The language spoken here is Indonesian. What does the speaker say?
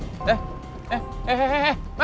ini sih pak